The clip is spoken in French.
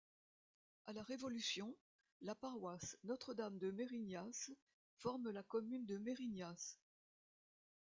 À la Révolution, la paroisse Notre-Dame de Mérignas forme la commune de Mérignas.